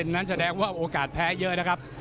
นั้นแสดงว่าโอกาสแพ้เยอะนะครับ